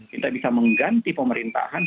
kita bisa mengganti pemerintahan